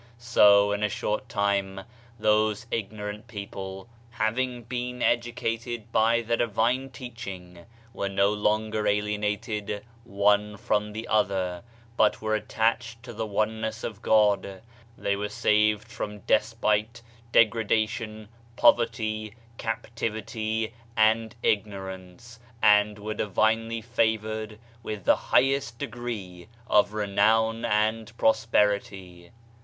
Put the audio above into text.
So, in a short time those ignorant people having been educated by the divine teach ing, were no longer alienated one from the other, but were attached to the Oneness of God; they were saved from despite, degradation, poverty, captivity, and ignorance, and were divinely favored with the highest degree of renown and prosperity.